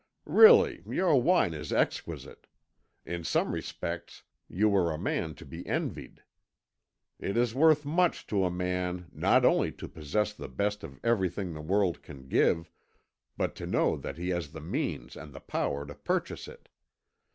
"Really, your wine is exquisite. In some respects you are a man to be envied. It is worth much to a man not only to possess the best of everything the world can give, but to know that he has the means and the power to purchase it.